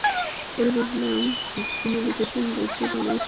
পড়ে বুঝলেন, যিনি লিখেছেন বইটি, বাংলাদেশ সম্পর্কে তাঁর কোনো অভিজ্ঞতা নেই।